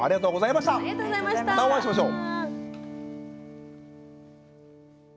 またお会いしましょう！